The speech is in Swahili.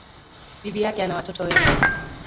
Bibi yake ana watoto wengi